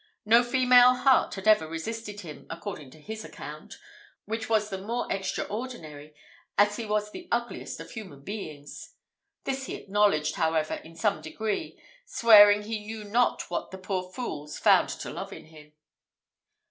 No female heart had ever resisted him, according to his account, which was the more extraordinary, as he was the ugliest of human beings. This he acknowledged, however, in some degree, swearing he knew not what the poor fools found to love in him.